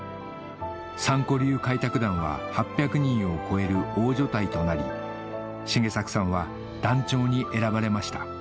三股流開拓団は８００人を超える大所帯となり繁作さんは団長に選ばれました